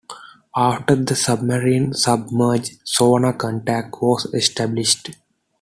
After the submarine submerged, sonar contact was established.